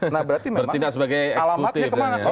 nah berarti memang alamatnya kemana